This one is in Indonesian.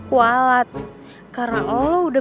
kualat karena allah udah